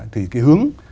thì cái hướng